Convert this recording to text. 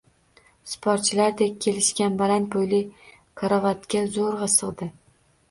Sportchilardek kelishgan, baland bo`yli, karavotga zo`rg`a sig`di